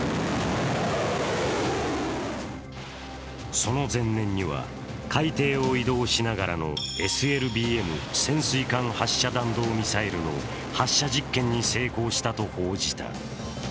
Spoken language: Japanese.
その前年には、海底を移動しながらのＳＬＢＭ＝潜水艦発射弾道ミサイルの発射実験に成功したと報じた。